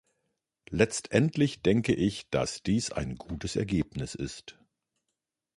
Letztendlich denke ich, dass dies ein gutes Ergebnis ist.